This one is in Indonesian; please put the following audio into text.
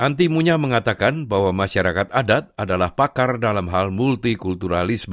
anti munya mengatakan bahwa masyarakat adat adalah pakar dalam hal multikulturalisme